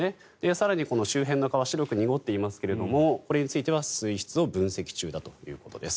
更に、この周辺の川白く濁っていますがこれについては水質を分析中だということです。